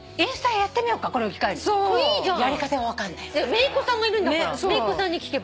めいっ子さんがいるんだからめいっ子さんに聞けば。